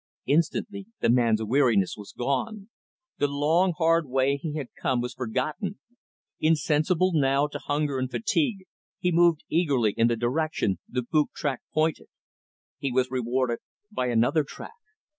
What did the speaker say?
Instantly the man's weariness was gone. The long, hard way he had come was forgotten. Insensible, now, to hunger and fatigue, he moved eagerly in the direction the boot track pointed. He was rewarded by another track.